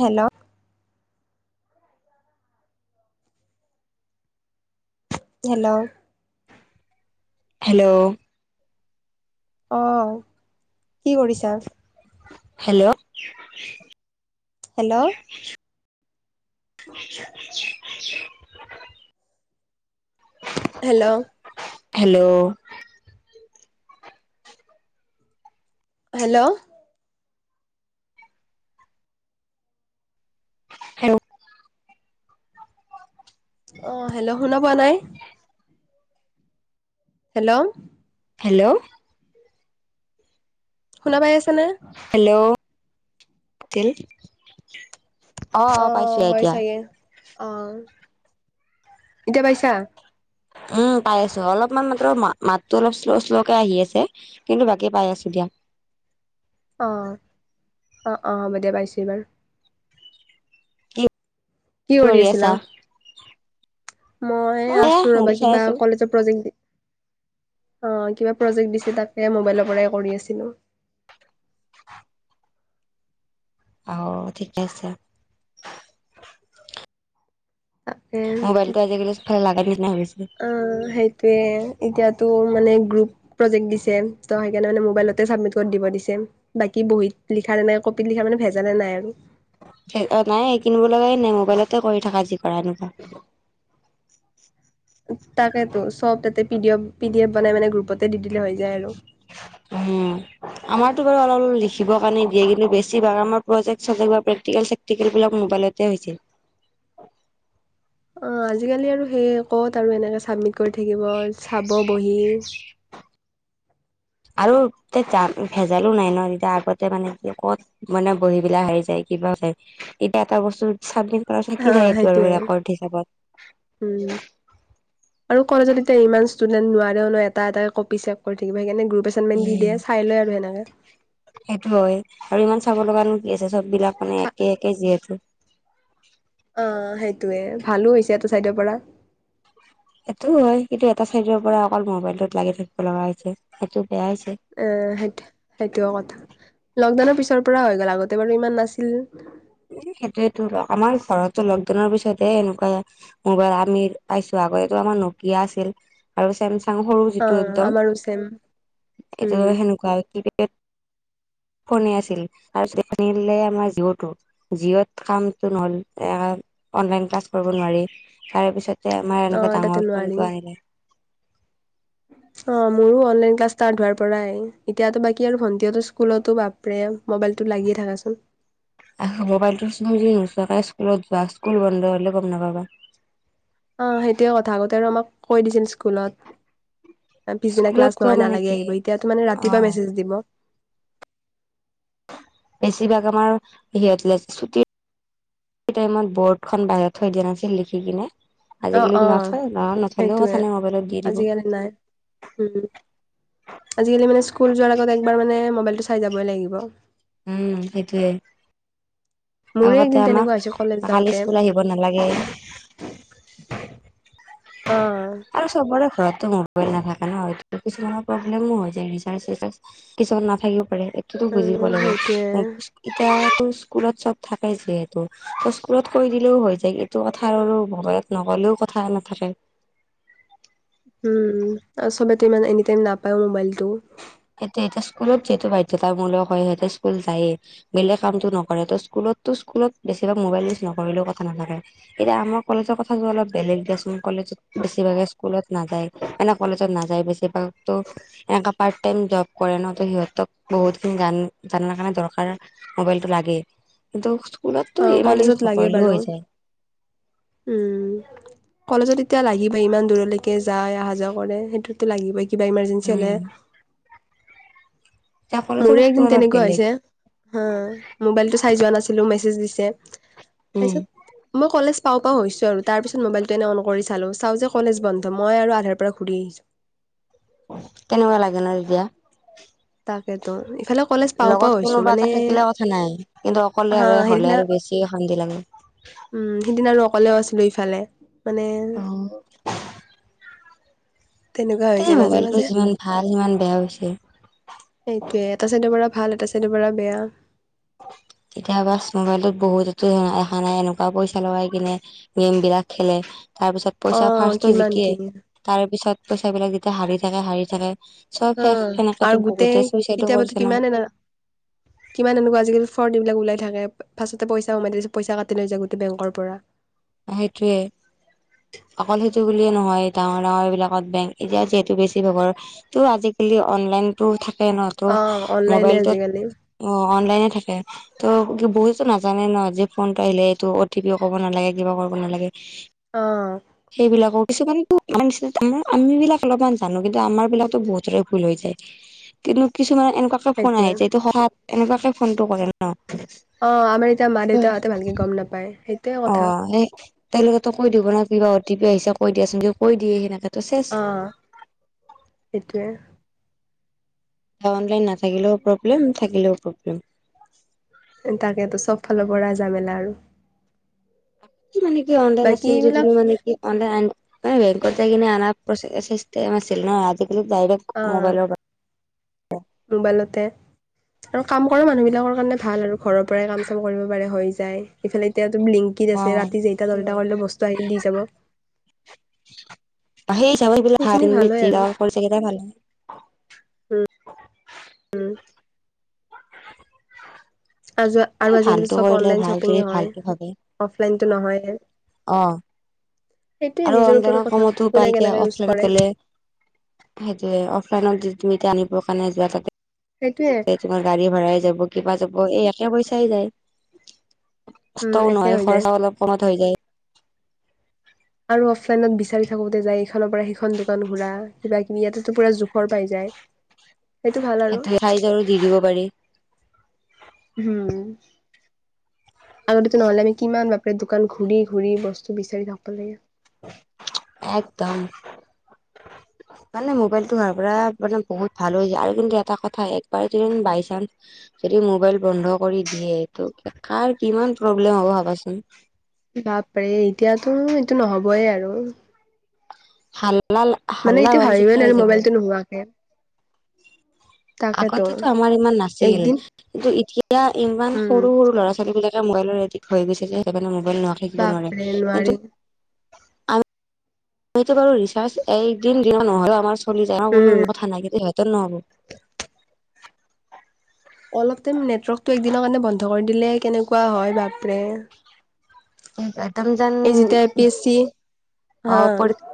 Hello hello- hello অ কি কৰিছা hello. Hello [unintelligible] hello. Hello. Hello. Hello অ হেল্ল' শুনা পোৱা নাই? হেল্ল'। হেল্ল' শুনা পাই আছা নে? হেল্ল' [unintelligible] অ হয় চাগে অ এতিয়া পাইছা? উম পাই আছোঁ অলপমান মাত্ৰ মাতটো অলপ শ্ল শ্লকে আহি আছে কিন্তু বাকী পাই আছো দিয়া অ অ অ হ'ব দিয়া পাইছোঁ এইবাৰ কি কি কৰি আছিলা? মই এ আছোঁ মোবাইল ৰবা চাই কিবা আছো কলেজৰ প্ৰজেক্ট দি অ কিবা প্ৰজেক্ট দিছে তাকে মোবাইলৰ পৰাই কৰি আছিলোঁ [unintelligible] আ ঠিক আছে- তাকে মোবাইলটো আজি কালি ফে লাগাত দি নহ অ সেইটোৱে এতিয়াতো মানে গ্ৰুপ প্ৰজেক্ট দিছে ত সেইকাৰণে মানে মবাইলতে চাবমিট কৰি দিব দিছে বাকী বহীত লিখাৰ মানে কপিল লিখা মানে ভেজানে নাই আৰু। নাই এই কিনিব লগা নাই মোবাইলতে কৰি থাকা যি কৰা এনেকুৱা। তাকে তো চব তাতে P D F P D F বনাই মানে গ্ৰুপতে দি দিলে হয়। উম আমাৰ। টো অলপ লিখিব কাৰণে দিয়ে কিন্তু বেছি ভাগ আমাৰ প্ৰজেক্ট চজেক প্ৰেটিকেল চেকটিকেল বিলাক মোবাইলতে হয় ছিল। [unintelligible] অ আজিকালি আৰু সেইয় ক'ত আৰু এনেকে চাবমিট কৰি থাকিব চাব বহি। আৰু তে যা ভেজালো নাই ন এতিয়া আগতে মানে কি ক'ত মানে বহি বিলাক হেৰাই যায়। কিবা যে এতিয়া এটা বস্তু চামি কৰা হা থাকি যায় এইটো আৰু সেইটোৱে ৰেকৰ্ড উম হিচাপত। আৰু কলেজত এতিয়া ইমান ইষ্টুডেন্ট নোৱাৰে ন এটা এটা কপি ছেক কৰি থাকিব সেইকাৰণে গ্ৰুপ পেচনমেন দি দিয়ে চাই লৈ আৰু সেনেকে। সেইটো হয় আৰু ইমান চাব লগানো আছে চব বিলাক মানে একে একে যিহেতু অ সেইটোয়ে ভালো হৈছে এটো চাইডৰ পৰা এইটো হয় কিন্তু এটা চাইডৰ পৰা অকল মোবাইলটোত লাগি থাকিব লগা হৈছে সেইটো। বেয়া হৈছে এ সেইটো সেইটোৱে কথা। লকডাউনৰ পিছৰ পৰা হৈ গ'ল আগতে বাৰু ইমান নাছিল। সেইটোয়েতো আমাৰ ঘৰতো লকডাউনৰ পিছতহে এনেকুৱা মোবাইল আমি পাইছো আ। আকৌ এইটো আমাৰ নকিয়া আছিল আৰু ছেমচাং চাং সৰু অ যিটো একদম আমাৰো ছেম এটো উম সেনেকুৱা কিপেট ফোনে আছিল তাৰপিছ চলিলে আমাৰ জিঅ'টো। যিঅত কামটো নহল অনলাইন ক্লাছ কৰিব নোৱাৰি তাৰ পিছত। আমাৰ অ এনেকুৱা তাতে ডাঙৰ নোৱাৰি ফোনটো আনিলে। অ মোৰো অনলাইন ক্লাছ ষ্টাৰ্ট হোৱাৰ পৰাই এতিয়াতো বাকী আৰু ভণ্টিয়তো স্কুলতো ভাপৰে মোবাইলটো লাগি থা থাকা চোন। আহ মোবাইলটোৰ চুমিজি নোচাকাই স্কুলত যোৱা স্কুল বন্ধ হলে গম নাপাবা। আহ সেইটোয়ে কথা আগতে আৰু আমাক কৈ দিছিল স্কুলত। পিছদিনা স্কুলত ক্লাছ কোৱা নহয় মানে নালাগে কি আহিব এতিয়া মানে অ ৰাতিপুৱা মেছেজ দিব। বেছিভাগ আমাৰ সিহঁত ল ছুটিৰ। সেই টাইমত বৰ্ডখন বাহিৰত থৈ দিয়া নাছিল লিখি কিনে। অ অ আজিকালি নথোৱা ন নথলেও সথা নে মোবাইলত দি দিব। উ আজিকালি মানে স্কুল যোৱাৰ আগত একবাৰ মানে মোবাইলটো চাই যাবই লাগিব। উম সেইটোৱে। মোৰে আগতে একদিন আমাক তেনেকুৱা হৈছে কলেজ কালি যাওঁতে স্কুল আহিব নালাগে। অ আৰু চবৰে ঘৰত। মোবাইল নাথাকে ন হয় কিছুমানৰ প্ৰব্লেমো হৈ যায় ৰিচাৰ্জ চিচাৰ্জ কিছুমান নাথাকিব। পাৰে এইটোতো বুজিব উম লাগে সেইটোয়ে এতিয়া। স্কুলত চব থাকে যিহেতু ত স্কুলত কৈ দিলেও হৈ যায় এইটো কথা আৰু ভয়ত নকল লও কথা নাথাকে। উম চবেতো ইমান এনিটাইম নাপায় মোবাইলটো। এতিয়া এতিয়া স্কুলত যিহেতু বাধ্যতামূলক হয় সিহতে স্কুল যায়েই বেলেগ কামটো নকৰে ত স্কুলত। তু স্কুলত বেছিাগ মোবাই ইউজ নকৰিলেও কথা নাথাকে এতিয়া আম কলেজৰ কথা অলপ বেলেগ দেচোন। কলেত বেছিভাগে স্কুলত নাযায় মানে কলেজত নাযায় বেছিভাগটো এনেকা পাৰ তেম জ্বব কৰে ন সিহঁতক বহুতকিন গান [unintelligible] কাৰণে দৰকাৰ মবাইলটো লাগে। এইটো। অ'কলেজত লাগে বাৰু উম। কলেজত এতিয়া লাগিবই ইমান দূৰলৈকে যায় অহা যোৱা কৰে সেইটোতো লাগিব কি। কিবা ইমাৰ্জেঞ্চি হলে। উম এতিয়া কলেজৰ মোৰে কথাটো একদিন অলপ তেনেকুৱা বেলেগ হৈছে, হা মোবাইলতটো চাই যোৱা নাছিলো মেছেজ। দিছে উম তাপিচত মই কলেজ। পাও পাও হৈছো আৰু তাৰ পিছত মোবাইলটো এনে অন কৰি চালো চাও যে কলেজ বন্ধ মই আৰু আধাৰ পৰা ঘূৰি আহিছো। [inaudible] কেনেকুৱা লাগে ন এতিয়া। তাকেতো ইফালেও। লগত কোনোবা এটা থাকিলে কথা নাই কিন্তু অকলে হা আৰু হলে সেইদিনা আৰু বেছি শান্তি লাগে। উম সিদিন আৰু অকলেও আছিলো ইফালে। মানে আহ। তেনেকুৱা হৈ যায় মাজে মাজে যিমান ভাল সিমান বেয়া হৈছে। সেইটোয়ে এটা চাইদ পৰা। ভাল এটা চাইদৰ পৰা বেয়া। কেতিয়াবা মোবাইলত বহুতো দেখা নাই এনেকুৱা পইচা লগাই কিনে গেম বিলাক খেলে। তাৰ পিছত অ পইচা ফাৰ্ষ্টটো কিমান জিকে কি তাৰ পিছত পইচা বিলাক যেতিয়া হাৰি থাকে হাৰি থাকে। চব অ শেষ সেনেকেতো আৰু গোটেই বহুতে চুইচাইডো কেতিয়াবা কৰিছে ন কিমান এনা কিমান এনেকুৱা আজিকালি। ফৰ্দ এইবিলাক ওলাই থাকে ফাছতে পইচা কমাই তাৰ পছত পইচা কাটি লৈ যায় গোটেই বেংকৰ পৰা সেইটোৱে অকল সেইটো বুলিয়ে নহয়। ডাৰ ডাঙৰ এই বিলাকত বেংক এতিয়া যিহেতু বেছিভাগৰ ত' আজিকালি অনলাইনতো থাক। স নহতো অ অনলাইনে মোবাইলটোত আজিকালি অ। অনলাইনে থাকে ত' কি বহুতো নাজানে ন, যে ফোনটো আহিলে এইটো অটি পিও ক'ব নালাগে। কিব কৰিব নালাগে। আহ। কিছুমানে আম আম বিলাক অলপমান জানো কিন্তু আমাৰ বিলাকতো বহুতৰে ভুল হৈ যায়। কিন্তু কিছুমানে এনেকুৱাকে ফোন সেইটোৱে আহে যটো সহা এনেকুৱাকে ফোনটো কৰে ন। অ আমাৰ এতিয়া মা দেউতাহঁতে ভালকে গম নাপায় সেই। অ' সেই তেওঁলোকেতো কৈ দিব ন কিবা অটি পি আহিছে কৈ দিয়াচোন কৈ দিয়ে সেনে। অ সেইটোৱে। এ অনলাইন না থাকিলেও প্ৰব্লেম থাকিলেও প্ৰব্লেম। তাকেতো চব ফালৰ পৰাই জামেলা আৰু। মানে কি অনলাইন বাকী আছিল যিদি এইবিলাক মানে কি। [inaudible] বেংকট যাগিনে আ প্ৰশাসিষ্টে ম চছিলিল ন আজ দাৰেক অ মবাইল। মোবাইলতে আৰু কাম কৰা মানুহ বিলাকৰ কাৰণে ভাল আৰু ঘৰৰ পৰাই কাম চাম কৰিব পাৰে হৈ যায় ইফালে এতিয়া। লিংকিত অ', আছে ৰাতি যেটা দলটা হয়। কৰিলেও বস্তু আহি দি যাব। সেই চাব এইবিলাক হ সেইখিনি ভাল হয় যি য আৰু কৰি চাকেইট ভাল [unintelligible] [unintelligible] [inaudible] এ আৰু আজিকালো ভালটো চব কৰিলে অনলাইন ভাল যদি শ্বপিঙে হয় ভালটো ভাবে অফলাইনতো নহয়। সেইটোয়ে অ' আৰু নিজৰ ওপৰত অনলাইনৰ কথা কমতো কোনে পাইযে কেনেকে ইউজ অফলাইন কৰে গলে। সেটোৱে অফলাইনত দি। তুমি এতিয়া আনিব কাৰণে যোৱা সেইটোয়ে তাক তোমাৰ গাড়ী ভভড়াই যাব কিবা যাব। অ এই একে পইচাই যায় উম কষ্টও একে নহয় হৈ যায় খৰচা অলপ কমত হৈ যায়। আৰু অফলাইনত বিচাৰি থাকোতে যায় ইখনৰ পৰা সিখন দোকান ঘূৰা কিবা কিবি ইয়াতেতো পুৰা জোখৰ পাই যায়। [unintelligible] আৰু সেটোৱে চাইজৰু দি দিব পাৰি। হোম। আগতে নহলে আমি কিমান বাপৰে দোকান ঘূৰি ঘূৰি বস্তু বিচাৰি থাকিব লাগে। একদম। [unintelligible] মানে মোবাইলটো হোৱাৰ পৰা মানে বহুত ভাল হৈ যায় আৰু কিন্তু এটা কথা একবাৰ যদি বাই চানস যদি মোবাইল বন্ধ কৰি দিয়ে তটো কাৰ কিমান প্ৰব্লেম হ'ব ভাবাচোন? বাপৰে এতিয়াতো এইটো নহবই আৰু। হাল্লা মানে হাল্লা এইটো হোৱাৰ ভাবিবই নিচিনা হৈ নোৱাৰো যাব মোবাইলটো নোহোৱাকে। তাকেতো আগতেতো আমাৰ ইমান নাছিল, একদিন কিন্তু এতিয়া ইমান উম সৰু সৰু ল'ৰা -ছোৱালী বিলাক এ মোবাইলৰ এডিক হৈ গৈছে যে সেইকাৰণে মোবাইল নোথাকিব নোৱাৰে বাপৰে কিন্তু। নোৱাৰি আমাৰতো ৰিচাৰচ এইদিন নহলে আমাৰ চলি যাই উম মই থানাক সিহঁতে নোৱাৰো। অলপ টাইম নেটৱৰ্কটো একদিনৰ কাৰণে বন্ধ কৰি দিলে কেনেকুৱা হয় বাপৰে। একদম যেন এই যেতিয়া পি চি অ হা। পৰীক্ষা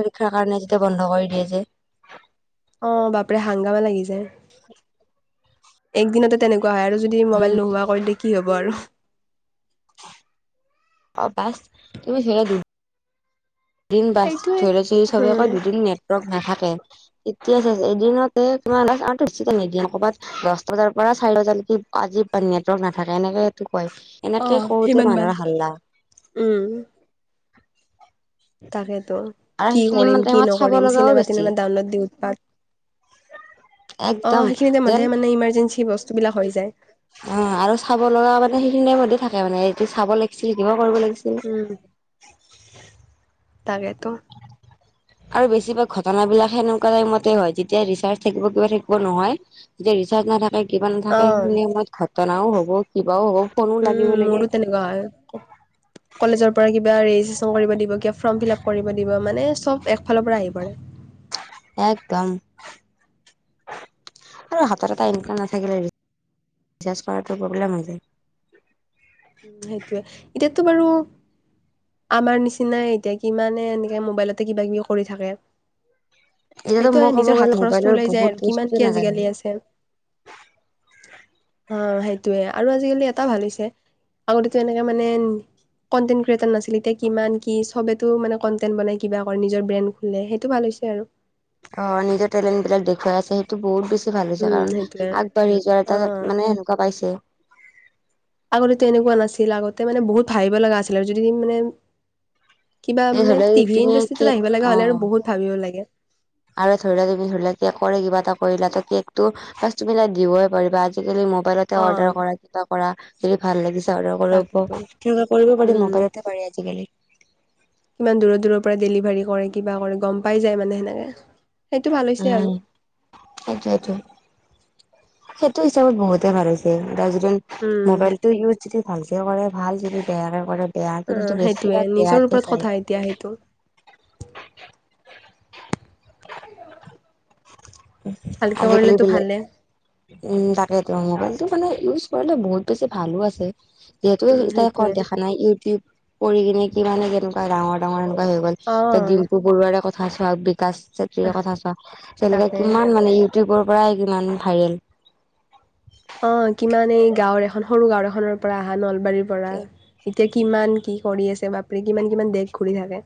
পৰীক্ষাৰ কাৰণে যেতিয়া বন্ধ কৰি দিয়ে যে। অ বাপৰে হাংগামা লাগি যায়। একদিনতে তেনেকুৱা হয় আৰু যদি মোবাইল উম নোহোৱা কৰে তেতিয়া কি হ'ব আৰু। অ পাস তুমি ধৰা দু দিন বাছ সেইটোৱে ধৰি ল ধৰি চবে কৈ উম দুদিন নেটৱৰ্ক নাথাকে এতিয়া এদিনতে তোমাৰ [inaudible] নিদিন কৰ'বাত দহ বজাৰ পৰা। চাৰি বজালৈকে আজি বা নেটৱৰ্ক নাথাকে এনেকেটো ৱাইফ, এনেকে কৰোতে মানুহৰ হাল্লা। উম তাকেতো, আৰু কি সেইখিনি মান কৰিম কি টাইমত চাব নকৰিম লগাও চিনেমা বেছি টিনেমা ডানলোড দি উৎপাত অ একদম সেইখিনিতে যেন মধে মানে ইমাৰ্জেঞ্চি বস্তু বিলাক হৈ যায়। অ আৰু চাব লগা মানে সেইখিনিয়ে মতে থাকে মানে এই চাব লাগিছিল থাকিব কৰিব লাগিছিল। উম তাকেতো। আৰু বেছিভাগ ঘটনাবিলাক সেনেকুৱা টাইমতে হয় যেতিয়া ৰিচাৰ থাকিব কিবা থাকিব নহয় যেতিয়া ৰিচাৰ নাথা তে কিবা নাথাকে অ সেইখিনি সময়ত ঘটনাও হ'ব কিবাও হ'ব। ফোনো লাগিব উম লাগে মোৰো তেনেকুৱা হয়, কলেজৰ পৰা কিবা ৰে চহী কৰিব দিব, কিবা ফ্ৰম ফিলাপ কৰিব দিব মানে এ চব এক ফালৰ পৰা আহি পৰে। একদম, আৰু হাতৰ এটা ইনকাম নাথাকিলে ৰিচাৰ্ছ কৰাটো প্ৰব্লেম হৈ যায়। সেইটোৱে, এতিয়াটো বাৰু আমাৰ নিচিনাই এতিয়া কিমানে এনেকে মোবাইলতে কিবা- কিবি কৰি থাকে। এতিয়াতো সেইটো মই আৰু ক'ব নিজৰ গ'লে হাত খৰচটো মোবাইলৰ ওলাই যায় বহুত আৰু কিমান বস্তু কি নাজানো আজিকালি আছে। অ সেইটোয়ে আৰু আজিকালি এটা ভাল হৈছে আগতেতো এনেকে মানে কণ্টেট ক্ৰিয়েটাৰ নাছিল এতিয়া কিমান কি চবে তো মানে কণ্টেন্ট বনাই কিবা কৰে নিজৰ ব্ৰেণ্ড খুল সেইটো ভাল ছে আৰু। অ নিজৰ টেলেণ্টবিলাক দেখুৱাই আছে সেইটো বহুত বেছি ভাল হৈছে উম কাৰণ সেইটোয়ে আগবাঢ়ি যোৱাৰ অ। এটা মানে সেনেকুৱা পাইছে। তাতে মানে বহুত ভাবিব লগা আছিলে আৰু যদি মানে কিবা এই মানে ধৰি লোৱা টিভি তুমি ইনডাষ্ট্ৰিত কেক আহিব লগা হলে আৰু অ' বহুত ভাবিবও লাগে। আৰু ধৰি লোৱা তুমি ধৰি ল কে কৰে কিবা এটা কৰিলা কেকটো ফাৰ্ষ্ট তুমি তাক দিবই পাৰিবা। আজিকালি মো বাইলতে অ' অৰ্ডাৰ কৰা কিবা কৰা সেই ভাল লাগিছে। তাৰে কৰিব প, তাকেতো তেনেকুৱা কৰিব পাৰি উম মোবাইলতে পাৰি আজিকালি। কিমান দূৰৰ দূৰৰ পৰা ডেলিভাৰী কৰে কিবা কৰে গম পাই যায় মানে সেনেকে। সেইটো ভাল হৈছে আৰু উম আচ্ছা আচ্ছা। সেইটো হিচাপত বহুতে ভাল হৈছে এতিয়া যদি উম মোবাইলটো ইউজ যদি ভাল তেওঁ কৰে ভাল যদি বেয়াকে কৰে বেয়া কিন্তু অ' সেইটোয়ে বেছিভাগ নিজৰ বেয়াতে ওপৰত চায়। কথা এতিয়া সেইটো ভালকে আজিকালি কৰিলেতো বেলে। ভালে উম তাকে ত মোবাইলটো মানে ইউজ কৰিলে বহুত বেছি ভালো আছে। যিহেতু এই উম কত সেইটোয়ে দেখা নাই ইউটিউব কৰি কিনে কি মানে কেনেকুৱা ডাঙৰ -ডাঙৰ হৈ গল। যে অ' ডিম্পু বৰুৱাৰে কথা চোৱা, বিকাশ চেত্ৰীয়ে কথা চোৱা। তেনেকে তাকে কিমান মানে ইউটিউবৰ পৰাই কিমান ভাইৰেল। অ কিমান এই গাঁওৰ এখন সৰু গাও এখনৰ পৰা আহা নলবাৰীৰ পৰা এতিয়া কিমান কি কৰি আছে বাপৰে কিমান কিমান দেশ ঘূৰি থাকে।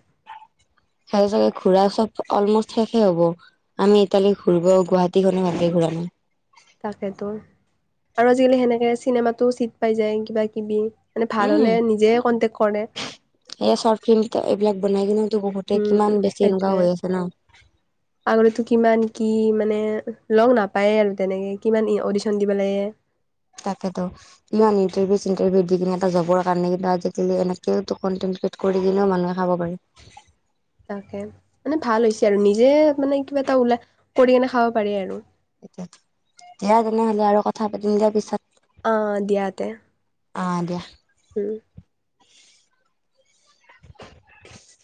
সেই চাগে ঘুৰা চব অলমষ্ট শেষে হব। আমি ইতালি ঘুৰ্ব গুৱাহা টী খনো ভালকে ঘূৰা নাই। তাকেতো আৰু আজিকালি সেনেকে চিনেমাতো চিট পাই যায় কিবা কিবি। মানে ভাল উম হলে নিজে কনটেক্ কৰে। এই চৰ্ট ফিল্ম এইবিলাক বনাই কিনেতো বহুতে কিমান উম বেছি এনেকুৱা সেইটোয়ে, হৈ আছে ন আগতেতো কিমান কি মানে লগ নাপায় আৰু তেনেকে কিমান অডিশন দিবা লাগে। তাকেতো কিমান ইণ্টাৰভিউ চিটাৰভিউ দি কিনে এটা জবৰ কাৰণে কিন্তু আজিকালি এনেক কন্টেন্ট কৰি দিলেও মানুহে খাব পাৰি। তাকে, মানে ভাল হৈছে আৰু নিজে মানে কিবা এটা ওলাই কৰি কেনে খাব পাৰি আৰু। দিয়া তেনেহলে আৰু কথা পাতিমদে পিছত। অ দিয়াতে অ দিয়া। উম। [unintelligible]